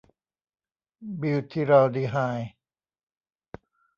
บิวธีรัลดีไฮด์